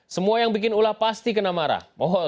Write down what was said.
semua yang bikin ulah pasti kena marah tidak ada yang menyalahkan